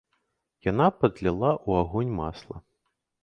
Яна падліла ў агонь масла.